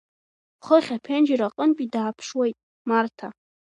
Хыхь аԥенџьыр аҟынтәи дааԥшуеит Марҭа.